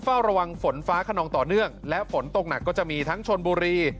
เฝ้าระวังฝนฟ้าขนองต่อเนื่องและฝนตกหนักก็จะมีทั้งชนบุรี